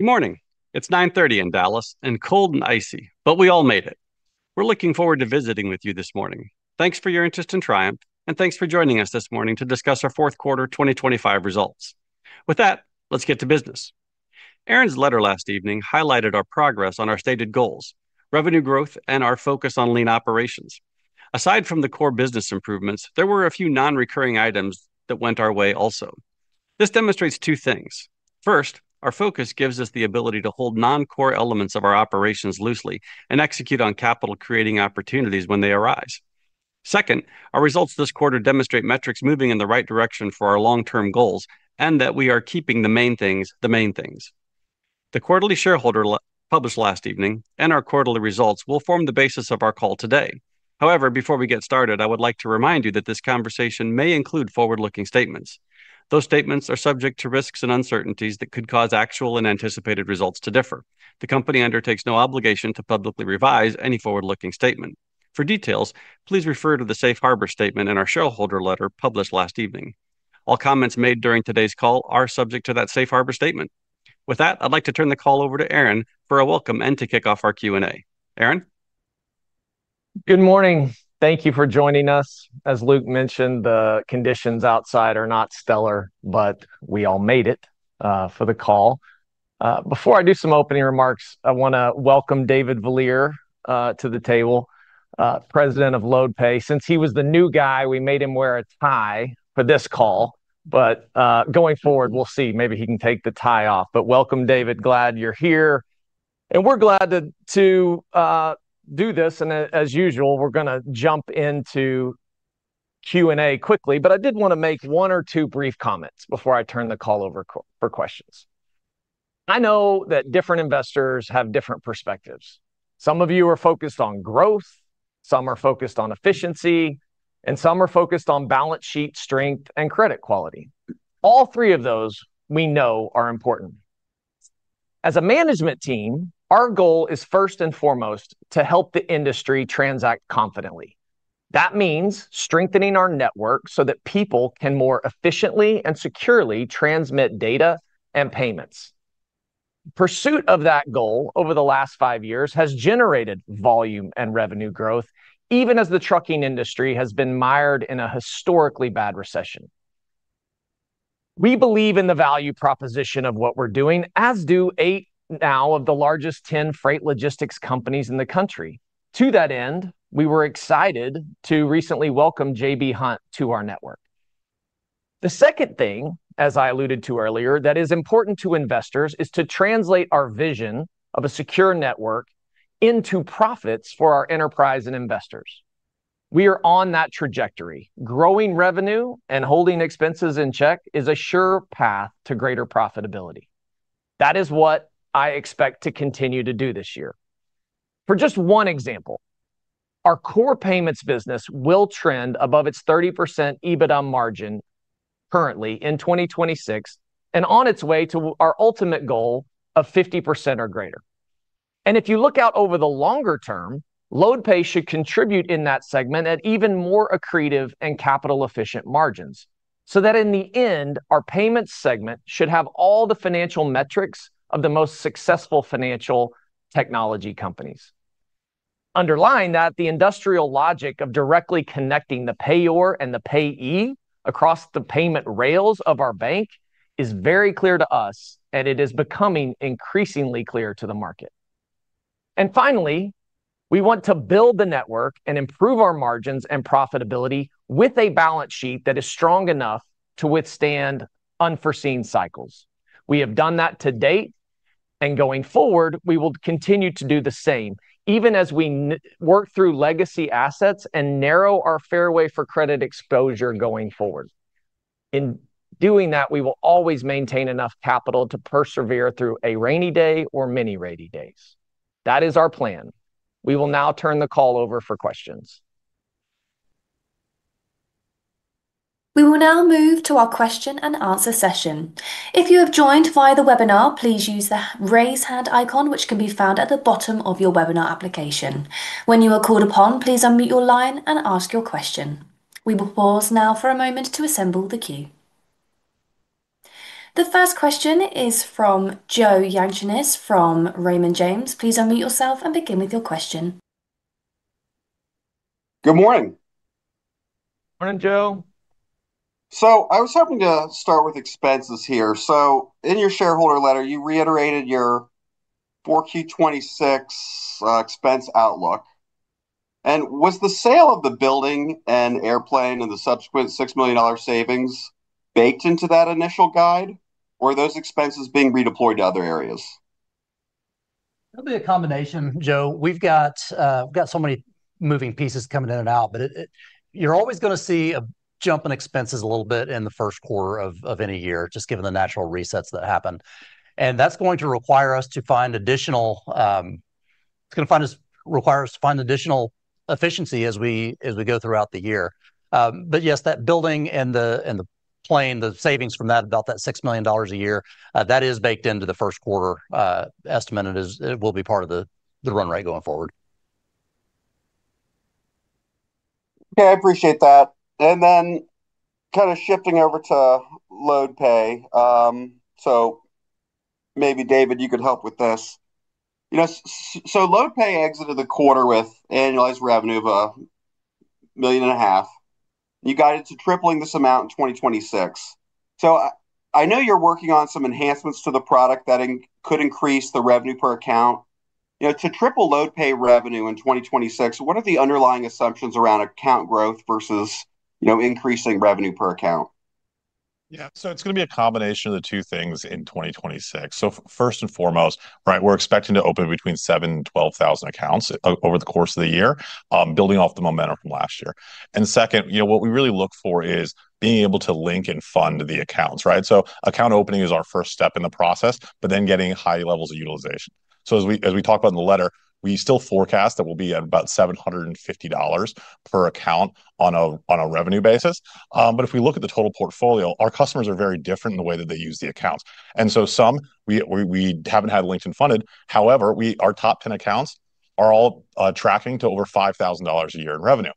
Good morning. It's 9:30 A.M. in Dallas, and cold and icy, but we all made it. We're looking forward to visiting with you this morning. Thanks for your interest in Triumph, and thanks for joining us this morning to discuss our fourth quarter 2025 results. With that, let's get to business. Aaron's letter last evening highlighted our progress on our stated goals, revenue growth, and our focus on lean operations. Aside from the core business improvements, there were a few non-recurring items that went our way also. This demonstrates two things. First, our focus gives us the ability to hold non-core elements of our operations loosely and execute on capital-creating opportunities when they arise. Second, our results this quarter demonstrate metrics moving in the right direction for our long-term goals and that we are keeping the main things the main things. The quarterly shareholder letter published last evening and our quarterly results will form the basis of our call today. However, before we get started, I would like to remind you that this conversation may include forward-looking statements. Those statements are subject to risks and uncertainties that could cause actual and anticipated results to differ. The company undertakes no obligation to publicly revise any forward-looking statement. For details, please refer to the Safe Harbor statement in our shareholder letter published last evening. All comments made during today's call are subject to that Safe Harbor statement. With that, I'd like to turn the call over to Aaron for a welcome and to kick off our Q&A. Aaron? Good morning. Thank you for joining us. As Luke mentioned, the conditions outside are not stellar, but we all made it for the call. Before I do some opening remarks, I want to welcome David Vielehr to the table, President of LoadPay. Since he was the new guy, we made him wear a tie for this call, but going forward, we'll see. Maybe he can take the tie off. But welcome, David. Glad you're here. And we're glad to do this. And as usual, we're going to jump into Q&A quickly. But I did want to make one or two brief comments before I turn the call over for questions. I know that different investors have different perspectives. Some of you are focused on growth, some are focused on efficiency, and some are focused on balance sheet strength and credit quality. All three of those, we know, are important. As a management team, our goal is first and foremost to help the industry transact confidently. That means strengthening our network so that people can more efficiently and securely transmit data and payments. The pursuit of that goal over the last five years has generated volume and revenue growth, even as the trucking industry has been mired in a historically bad recession. We believe in the value proposition of what we're doing, as do 8 now of the largest 10 freight logistics companies in the country. To that end, we were excited to recently welcome J.B. Hunt to our network. The second thing, as I alluded to earlier, that is important to investors is to translate our vision of a secure network into profits for our enterprise and investors. We are on that trajectory. Growing revenue and holding expenses in check is a sure path to greater profitability. That is what I expect to continue to do this year. For just one example, our core payments business will trend above its 30% EBITDA margin currently in 2026 and on its way to our ultimate goal of 50% or greater. If you look out over the longer term, LoadPay should contribute in that segment at even more accretive and capital-efficient margins so that in the end, our payments segment should have all the financial metrics of the most successful financial technology companies. Underlying that, the industrial logic of directly connecting the payor and the payee across the payment rails of our bank is very clear to us, and it is becoming increasingly clear to the market. Finally, we want to build the network and improve our margins and profitability with a balance sheet that is strong enough to withstand unforeseen cycles. We have done that to date, and going forward, we will continue to do the same even as we work through legacy assets and narrow our fairway for credit exposure going forward. In doing that, we will always maintain enough capital to persevere through a rainy day or many rainy days. That is our plan. We will now turn the call over for questions. We will now move to our question and answer session. If you have joined via the webinar, please use the raise hand icon, which can be found at the bottom of your webinar application. When you are called upon, please unmute your line and ask your question. We will pause now for a moment to assemble the queue. The first question is from Joe Yanchunis from Raymond James. Please unmute yourself and begin with your question. Good morning. Morning, Joe. I was hoping to start with expenses here. In your shareholder letter, you reiterated your 4Q26 expense outlook. Was the sale of the building and airplane and the subsequent $6 million savings baked into that initial guide, or are those expenses being redeployed to other areas? It'll be a combination, Joe. We've got so many moving pieces coming in and out, but you're always going to see a jump in expenses a little bit in the first quarter of any year, just given the natural resets that happen. That's going to require us to find additional efficiency as we go throughout the year. Yes, that building and the plane, the savings from that, about that $6 million a year, that is baked into the first quarter estimate, and it will be part of the run rate going forward. Yeah, I appreciate that. Then kind of shifting over to LoadPay. So maybe David, you could help with this. So LoadPay exited the quarter with annualized revenue of $1.5 million. You guided to tripling this amount in 2026. So I know you're working on some enhancements to the product that could increase the revenue per account. To triple LoadPay revenue in 2026, what are the underlying assumptions around account growth versus increasing revenue per account? Yeah, so it's going to be a combination of the two things in 2026. So first and foremost, right, we're expecting to open between 7,000 and 12,000 accounts over the course of the year, building off the momentum from last year. And second, what we really look for is being able to link and fund the accounts, right? So account opening is our first step in the process, but then getting high levels of utilization. So as we talk about in the letter, we still forecast that we'll be at about $750 per account on a revenue basis. But if we look at the total portfolio, our customers are very different in the way that they use the accounts. And so some, we haven't had linked and funded. However, our top 10 accounts are all tracking to over $5,000 a year in revenue.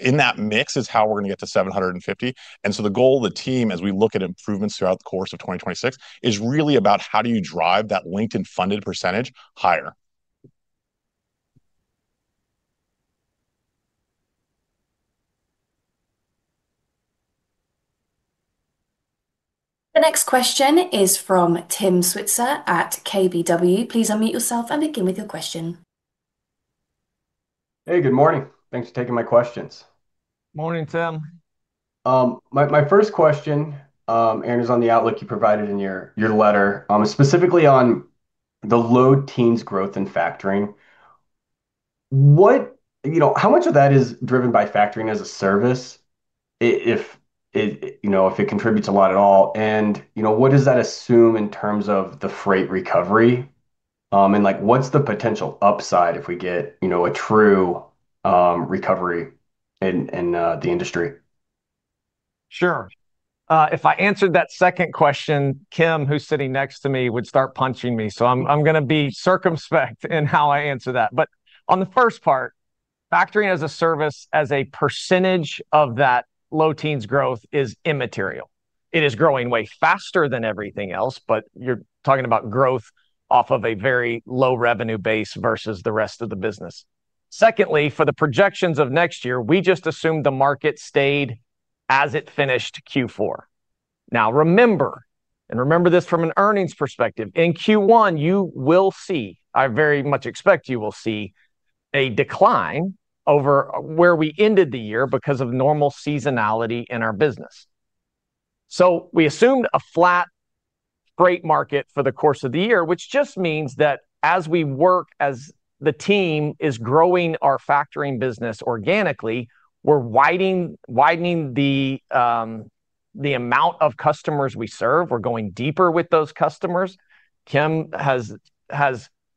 In that mix is how we're going to get to 750. The goal, the team, as we look at improvements throughout the course of 2026, is really about how do you drive that linked and funded percentage higher. The next question is from Tim Switzer at KBW. Please unmute yourself and begin with your question. Hey, good morning. Thanks for taking my questions. Morning, Tim. My first question, Aaron, is on the outlook you provided in your letter, specifically on the LoadPay team's growth and factoring. How much of that is driven by Factoring as a Service, if it contributes a lot at all? And what does that assume in terms of the freight recovery? And what's the potential upside if we get a true recovery in the industry? Sure. If I answered that second question, Kim, who's sitting next to me, would start punching me. So I'm going to be circumspect in how I answer that. But on the first part, Factoring as a Service as a percentage of that load team's growth is immaterial. It is growing way faster than everything else, but you're talking about growth off of a very low revenue base versus the rest of the business. Secondly, for the projections of next year, we just assumed the market stayed as it finished Q4. Now, remember, and remember this from an earnings perspective, in Q1, you will see, I very much expect you will see a decline over where we ended the year because of normal seasonality in our business. So we assumed a flat freight market for the course of the year, which just means that as we work, as the team is growing our factoring business organically, we're widening the amount of customers we serve. We're going deeper with those customers. Kim has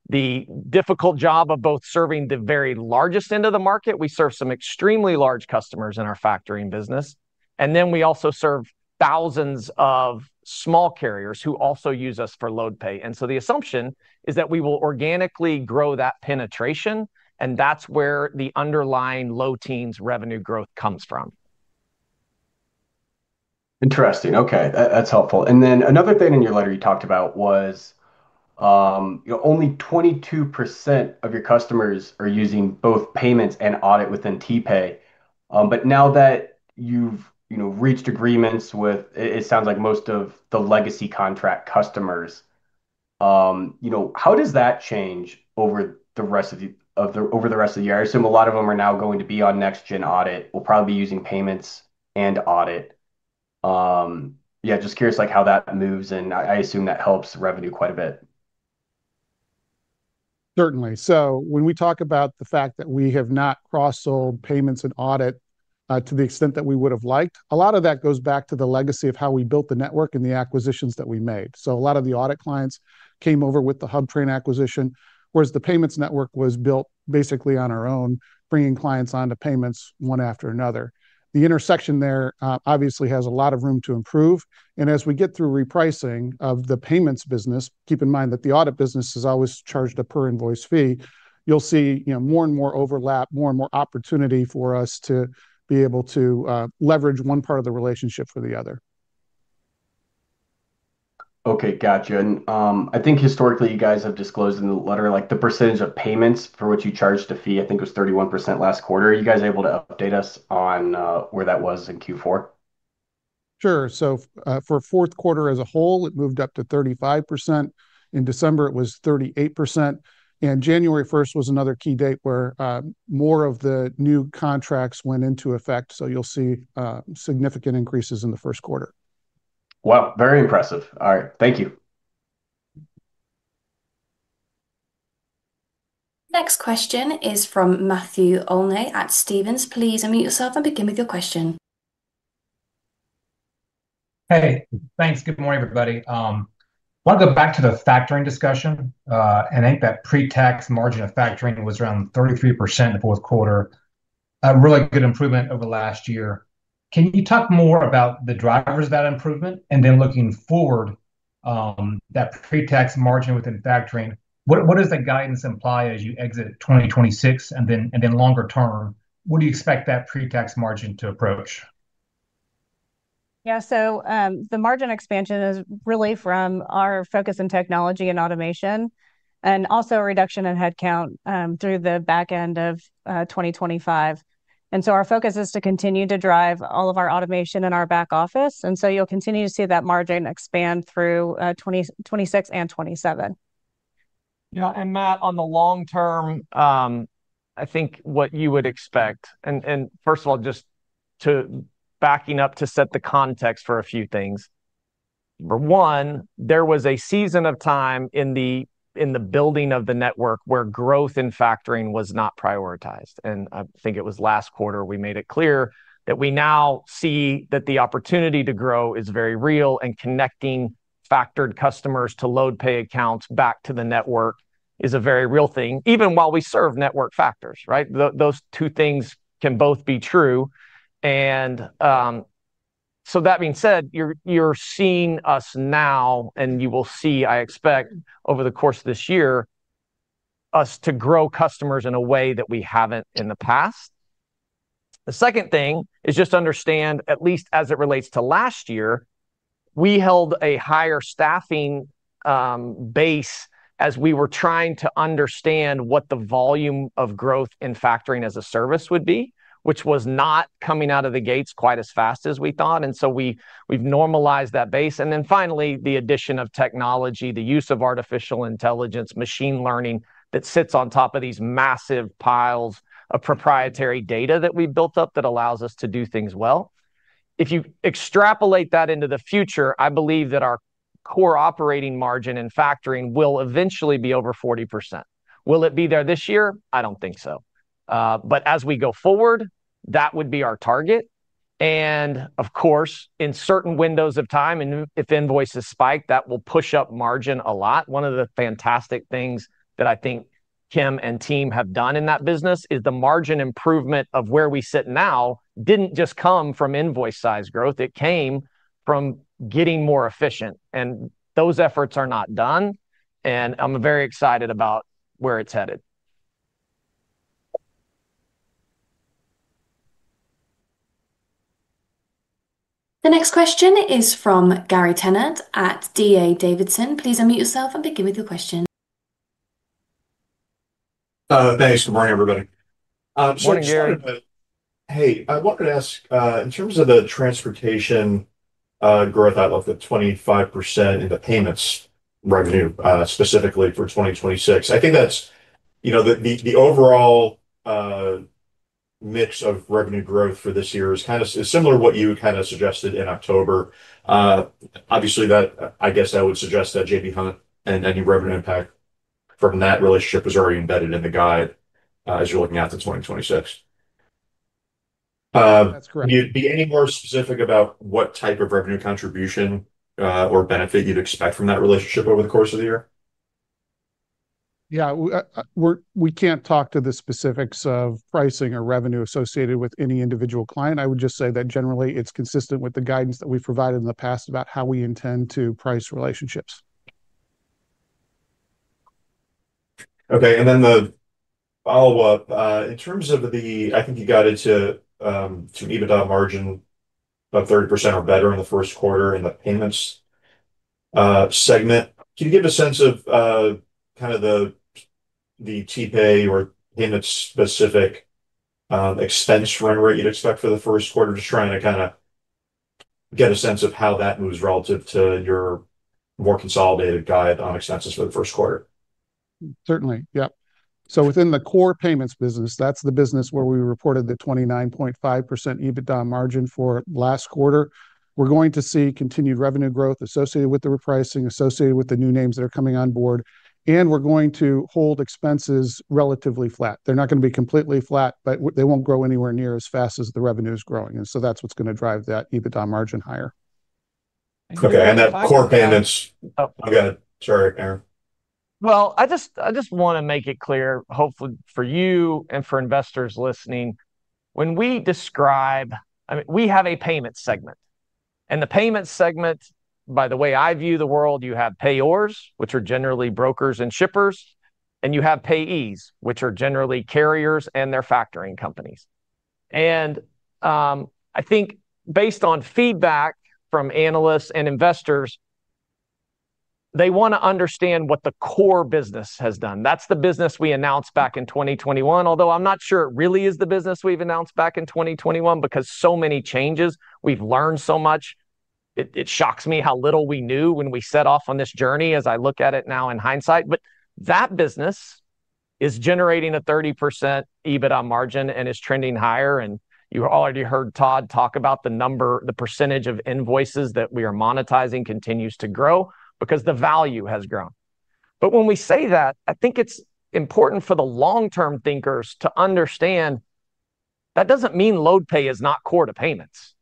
the difficult job of both serving the very largest end of the market. We serve some extremely large customers in our factoring business. And then we also serve thousands of small carriers who also use us for LoadPay. And so the assumption is that we will organically grow that penetration, and that's where the underlying Load team's revenue growth comes from. Interesting. Okay, that's helpful. And then another thing in your letter you talked about was only 22% of your customers are using both payments and audit within TPay. But now that you've reached agreements with, it sounds like most of the legacy contract customers, how does that change over the rest of the year? I assume a lot of them are now going to be on NextGen Audit, will probably be using payments and audit. Yeah, just curious how that moves, and I assume that helps revenue quite a bit. Certainly. So when we talk about the fact that we have not cross-sold payments and audit to the extent that we would have liked, a lot of that goes back to the legacy of how we built the network and the acquisitions that we made. So a lot of the audit clients came over with the HubTran acquisition, whereas the payments network was built basically on our own, bringing clients on to payments one after another. The intersection there obviously has a lot of room to improve. And as we get through repricing of the payments business, keep in mind that the audit business is always charged a per invoice fee, you'll see more and more overlap, more and more opportunity for us to be able to leverage one part of the relationship for the other. Okay, gotcha. I think historically you guys have disclosed in the letter the percentage of payments for which you charged a fee, I think it was 31% last quarter. Are you guys able to update us on where that was in Q4? Sure. So for fourth quarter as a whole, it moved up to 35%. In December, it was 38%. And January 1st was another key date where more of the new contracts went into effect. So you'll see significant increases in the first quarter. Wow, very impressive. All right, thank you. Next question is from Matthew Olney at Stephens. Please unmute yourself and begin with your question. Hey, thanks. Good morning, everybody. I want to go back to the factoring discussion. And I think that pre-tax margin of factoring was around 33% in the fourth quarter, a really good improvement over last year. Can you talk more about the drivers of that improvement? And then looking forward, that pre-tax margin within factoring, what does the guidance imply as you exit 2026 and then longer term? What do you expect that pre-tax margin to approach? Yeah, so the margin expansion is really from our focus in technology and automation, and also a reduction in headcount through the back end of 2025. And so our focus is to continue to drive all of our automation in our back office. And so you'll continue to see that margin expand through 2026 and 2027. Yeah. And Matt, on the long term, I think what you would expect, and first of all, just backing up to set the context for a few things. Number one, there was a season of time in the building of the network where growth in factoring was not prioritized. And I think it was last quarter we made it clear that we now see that the opportunity to grow is very real, and connecting factored customers to LoadPay accounts back to the network is a very real thing, even while we serve network factors, right? Those two things can both be true. And so that being said, you're seeing us now, and you will see, I expect, over the course of this year, us to grow customers in a way that we haven't in the past. The second thing is just understand, at least as it relates to last year, we held a higher staffing base as we were trying to understand what the volume of growth in factoring as a service would be, which was not coming out of the gates quite as fast as we thought. And so we've normalized that base. And then finally, the addition of technology, the use of artificial intelligence, machine learning that sits on top of these massive piles of proprietary data that we've built up that allows us to do things well. If you extrapolate that into the future, I believe that our core operating margin in factoring will eventually be over 40%. Will it be there this year? I don't think so. But as we go forward, that would be our target. Of course, in certain windows of time, and if invoices spike, that will push up margin a lot. One of the fantastic things that I think Kim and team have done in that business is the margin improvement of where we sit now didn't just come from invoice size growth. It came from getting more efficient. Those efforts are not done. I'm very excited about where it's headed. The next question is from Gary Tenner at D.A. Davidson. Please unmute yourself and begin with your question. Thanks. Good morning, everybody. Morning, Gary. Hey, I wanted to ask, in terms of the transportation growth, I'd love the 25% in the payments revenue specifically for 2026. I think that's the overall mix of revenue growth for this year is kind of similar to what you kind of suggested in October. Obviously, I guess I would suggest that J.B. Hunt and any revenue impact from that relationship is already embedded in the guide as you're looking at the 2026. That's correct. Would you be any more specific about what type of revenue contribution or benefit you'd expect from that relationship over the course of the year? Yeah, we can't talk to the specifics of pricing or revenue associated with any individual client. I would just say that generally it's consistent with the guidance that we've provided in the past about how we intend to price relationships. Okay. And then the follow-up, in terms of the, I think you got into some EBITDA margin of 30% or better in the first quarter in the payments segment. Can you give a sense of kind of the TPay or payment-specific expense run rate you'd expect for the first quarter? Just trying to kind of get a sense of how that moves relative to your more consolidated guide on expenses for the first quarter. Certainly, yeah. So within the core payments business, that's the business where we reported the 29.5% EBITDA margin for last quarter. We're going to see continued revenue growth associated with the repricing, associated with the new names that are coming on board. And we're going to hold expenses relatively flat. They're not going to be completely flat, but they won't grow anywhere near as fast as the revenue is growing. And so that's what's going to drive that EBITDA margin higher. Okay. And that core payments, sorry, Aaron. Well, I just want to make it clear, hopefully for you and for investors listening, when we describe, I mean, we have a payment segment. And the payment segment, by the way I view the world, you have payors, which are generally brokers and shippers, and you have payees, which are generally carriers and their factoring companies. And I think based on feedback from analysts and investors, they want to understand what the core business has done. That's the business we announced back in 2021. Although I'm not sure it really is the business we've announced back in 2021 because so many changes, we've learned so much. It shocks me how little we knew when we set off on this journey as I look at it now in hindsight. But that business is generating a 30% EBITDA margin and is trending higher. You already heard Todd talk about the number, the percentage of invoices that we are monetizing continues to grow because the value has grown. But when we say that, I think it's important for the long-term thinkers to understand that doesn't mean LoadPay is not core to payments.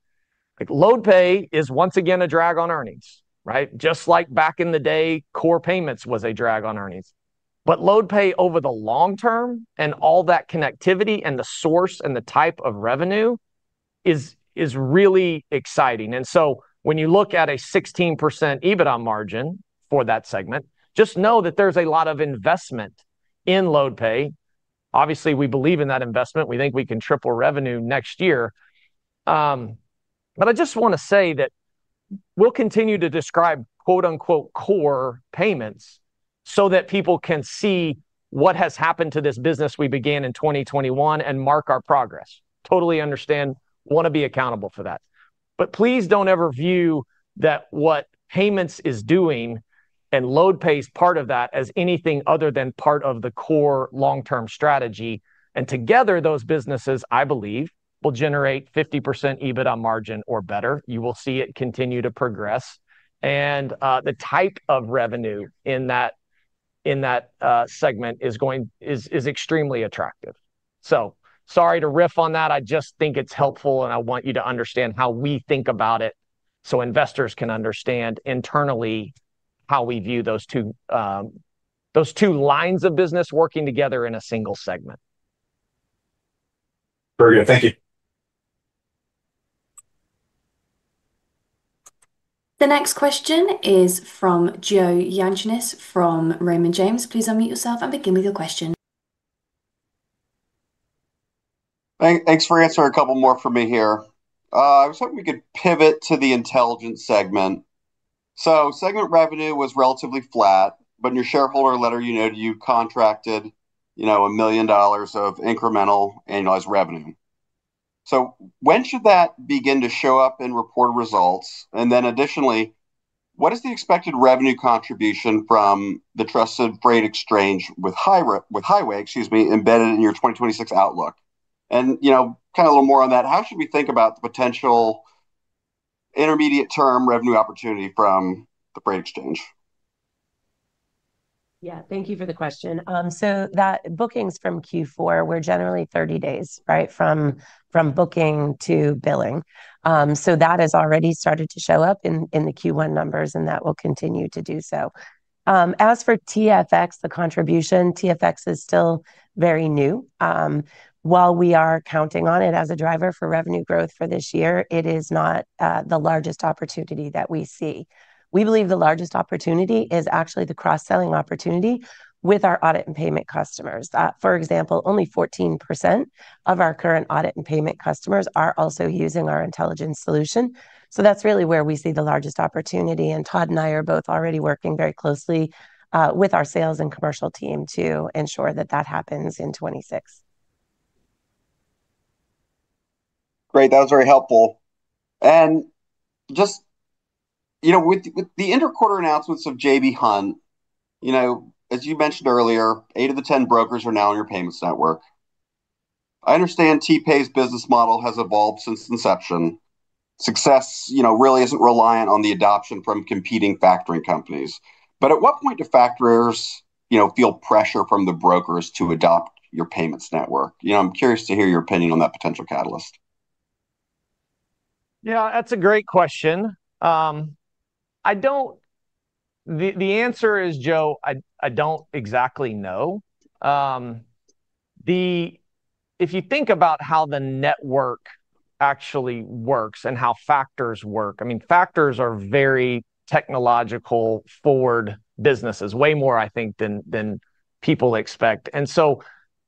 LoadPay is once again a drag on earnings, right? Just like back in the day, core payments was a drag on earnings. But LoadPay over the long term and all that connectivity and the source and the type of revenue is really exciting. And so when you look at a 16% EBITDA margin for that segment, just know that there's a lot of investment in LoadPay. Obviously, we believe in that investment. We think we can triple revenue next year. But I just want to say that we'll continue to describe "core payments" so that people can see what has happened to this business we began in 2021 and mark our progress. Totally understand, want to be accountable for that. But please don't ever view that what payments is doing and LoadPay's part of that as anything other than part of the core long-term strategy. And together, those businesses, I believe, will generate 50% EBITDA margin or better. You will see it continue to progress. And the type of revenue in that segment is extremely attractive. So sorry to riff on that. I just think it's helpful, and I want you to understand how we think about it so investors can understand internally how we view those two lines of business working together in a single segment. Very good. Thank you. The next question is from Joe Yanchunis from Raymond James. Please unmute yourself and begin with your question. Thanks for answering a couple more for me here. I was hoping we could pivot to the intelligence segment. So segment revenue was relatively flat, but in your shareholder letter, you noted you contracted $1 million of incremental annualized revenue. So when should that begin to show up in reported results? And then additionally, what is the expected revenue contribution from the Trusted Freight Exchange with Highway, excuse me, embedded in your 2026 outlook? And kind of a little more on that, how should we think about the potential intermediate-term revenue opportunity from the Freight Exchange? Yeah, thank you for the question. So that bookings from Q4 were generally 30 days, right, from booking to billing. So that has already started to show up in the Q1 numbers, and that will continue to do so. As for TFX, the contribution, TFX is still very new. While we are counting on it as a driver for revenue growth for this year, it is not the largest opportunity that we see. We believe the largest opportunity is actually the cross-selling opportunity with our audit and payment customers. For example, only 14% of our current audit and payment customers are also using our intelligence solution. So that's really where we see the largest opportunity. And Todd and I are both already working very closely with our sales and commercial team to ensure that that happens in 2026. Great. That was very helpful. And just with the interquarter announcements of J.B. Hunt, as you mentioned earlier, 8 of the 10 brokers are now in your payments network. I understand TriumphPay's business model has evolved since inception. Success really isn't reliant on the adoption from competing factoring companies. But at what point do factorers feel pressure from the brokers to adopt your payments network? I'm curious to hear your opinion on that potential catalyst. Yeah, that's a great question. The answer is, Joe, I don't exactly know. If you think about how the network actually works and how factors work, I mean, factors are very technologically forward businesses, way more, I think, than people expect. And so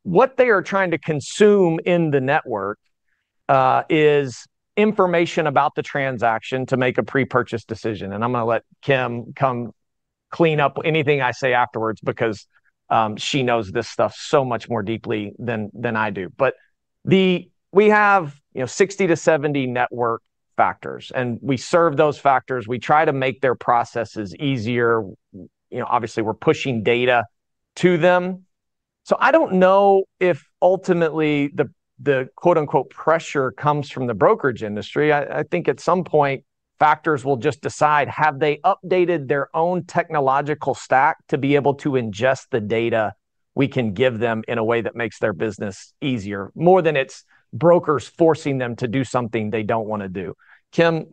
what they are trying to consume in the network is information about the transaction to make a pre-purchase decision. And I'm going to let Kim come clean up anything I say afterwards because she knows this stuff so much more deeply than I do. But we have 60-70 network factors, and we serve those factors. We try to make their processes easier. Obviously, we're pushing data to them. So I don't know if ultimately the "pressure" comes from the brokerage industry. I think at some point, factors will just decide, have they updated their own technological stack to be able to ingest the data we can give them in a way that makes their business easier? More than it's brokers forcing them to do something they don't want to do. Kim,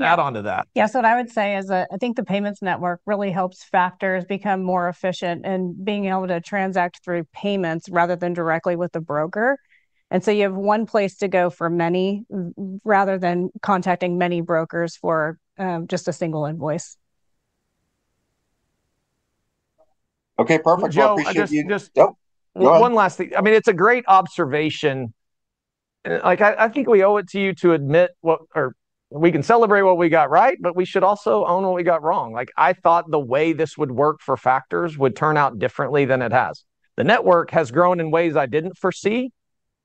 add on to that. Yeah. So what I would say is I think the payments network really helps factors become more efficient in being able to transact through payments rather than directly with the broker. And so you have one place to go for many rather than contacting many brokers for just a single invoice. Okay. Perfect. I appreciate you. Just one last thing. I mean, it's a great observation. I think we owe it to you to admit we can celebrate what we got right, but we should also own what we got wrong. I thought the way this would work for factors would turn out differently than it has. The network has grown in ways I didn't foresee.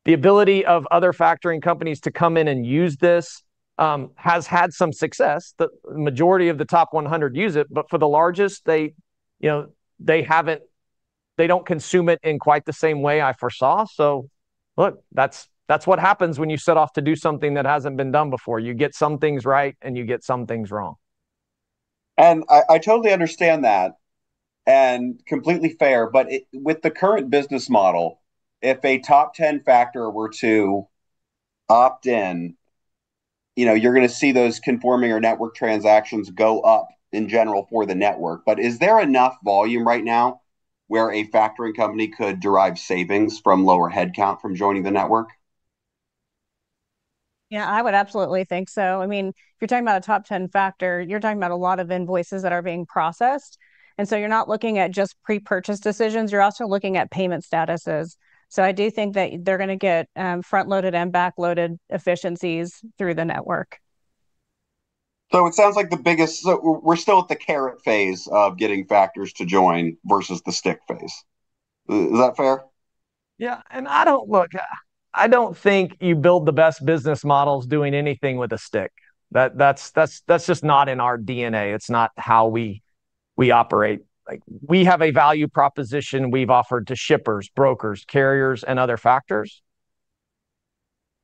The ability of other factoring companies to come in and use this has had some success. The majority of the top 100 use it, but for the largest, they don't consume it in quite the same way I foresaw. So look, that's what happens when you set off to do something that hasn't been done before. You get some things right, and you get some things wrong. I totally understand that and completely fair. But with the current business model, if a top 10 factor were to opt in, you're going to see those conforming or network transactions go up in general for the network. But is there enough volume right now where a factoring company could derive savings from lower headcount from joining the network? Yeah, I would absolutely think so. I mean, if you're talking about a top 10 factor, you're talking about a lot of invoices that are being processed. And so you're not looking at just pre-purchase decisions. You're also looking at payment statuses. So I do think that they're going to get front-loaded and back-loaded efficiencies through the network. It sounds like the biggest we're still at the carrot phase of getting factors to join versus the stick phase. Is that fair? Yeah. And I don't think you build the best business models doing anything with a stick. That's just not in our DNA. It's not how we operate. We have a value proposition we've offered to shippers, brokers, carriers, and other factors.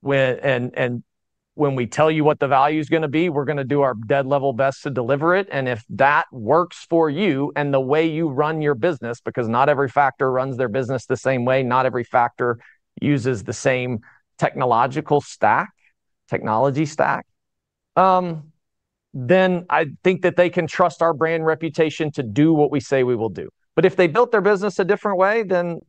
And when we tell you what the value is going to be, we're going to do our dead level best to deliver it. And if that works for you and the way you run your business, because not every factor runs their business the same way, not every factor uses the same technological stack, technology stack, then I think that they can trust our brand reputation to do what we say we will do. But if they built their business a different way, then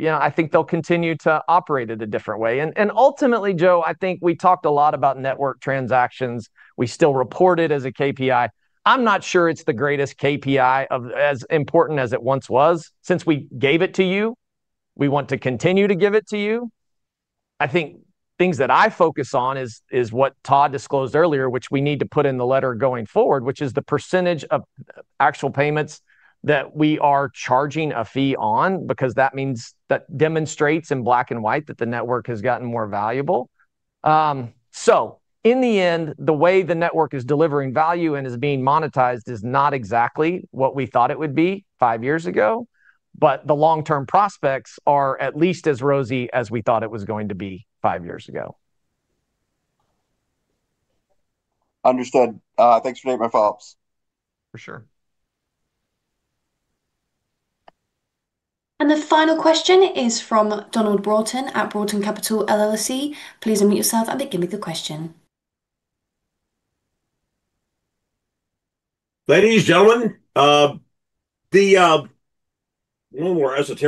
I think they'll continue to operate it a different way. And ultimately, Joe, I think we talked a lot about network transactions. We still report it as a KPI. I'm not sure it's the greatest KPI as important as it once was. Since we gave it to you, we want to continue to give it to you. I think things that I focus on is what Todd disclosed earlier, which we need to put in the letter going forward, which is the percentage of actual payments that we are charging a fee on because that demonstrates in black and white that the network has gotten more valuable. So in the end, the way the network is delivering value and is being monetized is not exactly what we thought it would be five years ago, but the long-term prospects are at least as rosy as we thought it was going to be five years ago. Understood. Thanks for taking my thoughts. For sure. The final question is from Donald Broughton at Broughton Capital LLC. Please unmute yourself and begin with the question. Ladies and gentlemen, one more esoteric.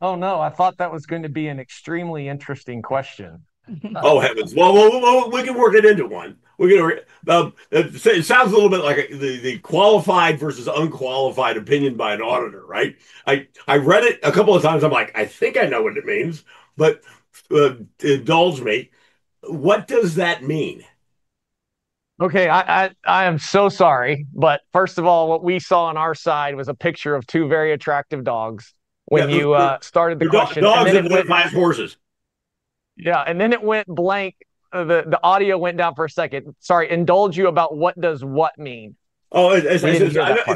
Oh, no. I thought that was going to be an extremely interesting question. Oh, heavens. Well, we can work it into one. It sounds a little bit like the qualified versus unqualified opinion by an auditor, right? I read it a couple of times. I'm like, "I think I know what it means." But indulge me. What does that mean? Okay. I am so sorry, but first of all, what we saw on our side was a picture of two very attractive dogs when you started the question. Dogs and white flag horses. Yeah. And then it went blank. The audio went down for a second. Sorry. Indulge you about what does what mean. Oh, it's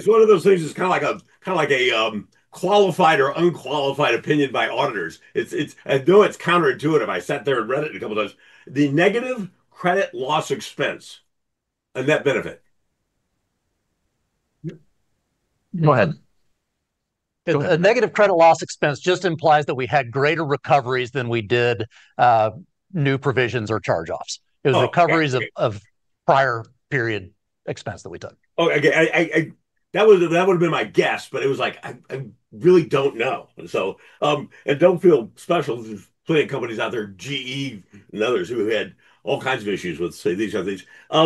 one of those things that's kind of like a qualified or unqualified opinion by auditors. I know it's counterintuitive. I sat there and read it a couple of times. The negative credit loss expense and that benefit. Go ahead. A negative credit loss expense just implies that we had greater recoveries than we did new provisions or charge-offs. It was recoveries of prior period expense that we took. Oh, okay. That would have been my guess, but it was like, "I really don't know." And don't feel special. There are plenty of companies out there, GE and others who had all kinds of issues with, say, these kinds of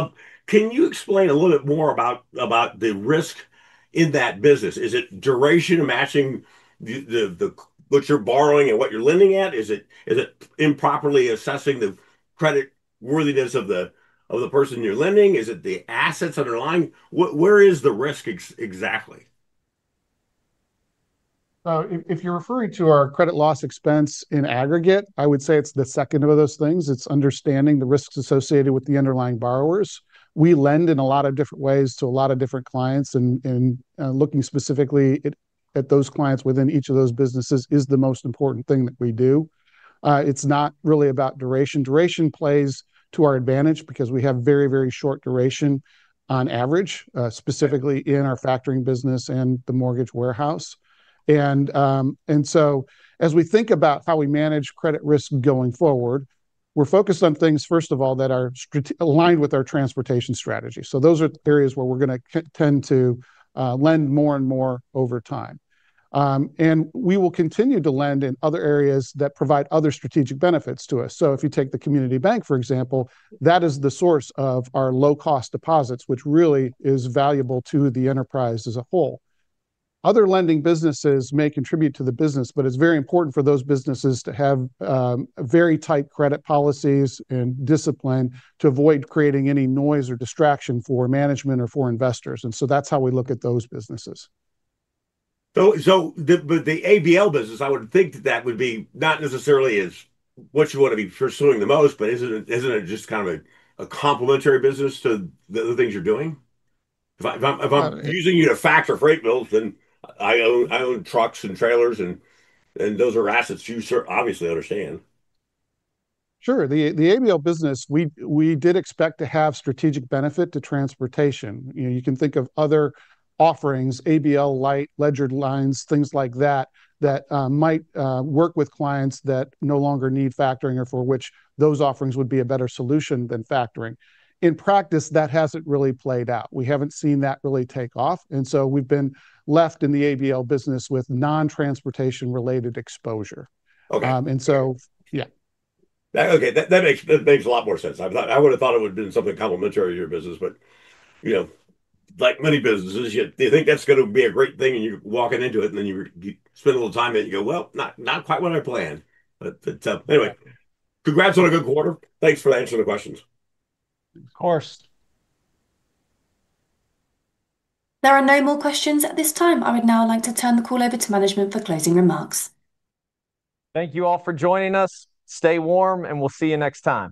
things. Can you explain a little bit more about the risk in that business? Is it duration matching what you're borrowing and what you're lending at? Is it improperly assessing the creditworthiness of the person you're lending? Is it the assets underlying? Where is the risk exactly? So if you're referring to our credit loss expense in aggregate, I would say it's the second of those things. It's understanding the risks associated with the underlying borrowers. We lend in a lot of different ways to a lot of different clients. Looking specifically at those clients within each of those businesses is the most important thing that we do. It's not really about duration. Duration plays to our advantage because we have very, very short duration on average, specifically in our factoring business and the mortgage warehouse. So as we think about how we manage credit risk going forward, we're focused on things, first of all, that are aligned with our transportation strategy. Those are areas where we're going to tend to lend more and more over time. We will continue to lend in other areas that provide other strategic benefits to us. So if you take the community bank, for example, that is the source of our low-cost deposits, which really is valuable to the enterprise as a whole. Other lending businesses may contribute to the business, but it's very important for those businesses to have very tight credit policies and discipline to avoid creating any noise or distraction for management or for investors. And so that's how we look at those businesses. The ABL business, I would think that that would be not necessarily what you want to be pursuing the most, but isn't it just kind of a complementary business to the other things you're doing? If I'm using you to factor freight bills, then I own trucks and trailers, and those are assets you obviously understand. Sure. The ABL business, we did expect to have strategic benefit to transportation. You can think of other offerings, ABL, light, ledger lines, things like that, that might work with clients that no longer need factoring or for which those offerings would be a better solution than factoring. In practice, that hasn't really played out. We haven't seen that really take off. And so we've been left in the ABL business with non-transportation-related exposure. And so, yeah. Okay. That makes a lot more sense. I would have thought it would have been something complementary to your business, but like many businesses, you think that's going to be a great thing, and you're walking into it, and then you spend a little time and you go, "Well, not quite what I planned." But anyway, congrats on a good quarter. Thanks for answering the questions. Of course. There are no more questions at this time. I would now like to turn the call over to management for closing remarks. Thank you all for joining us. Stay warm, and we'll see you next time.